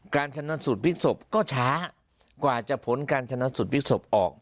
การชนะสูตรพลิกศพก็ช้ากว่าจะผลการชนะสูตรพลิกศพออก